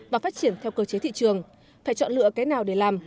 và phát triển theo cơ chế thị trường phải chọn lựa cái nào để làm